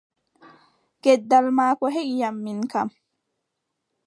Gendal maako heʼi am min kam!